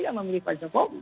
yang memilih pak jokowi